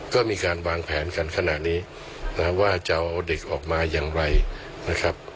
ก็มีการวางแผนกันขณะนี้นะว่าจะเอาเด็กออกมาอย่างไรนะครับ